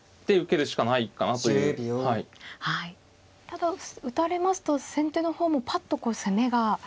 ただ打たれますと先手の方もぱっとこう攻めが。